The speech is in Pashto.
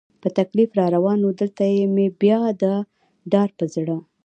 په تکلیف را روان و، دلته مې بیا دا ډار په زړه.